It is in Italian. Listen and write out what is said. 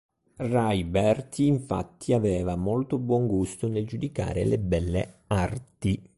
Il Rajberti infatti aveva molto buon gusto nel giudicare le belle arti.